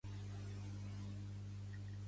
Cada llar va oferir refugi a una família ampliada.